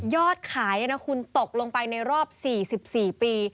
ยอดขายคุณตกลงไปในรอบ๔๔ปี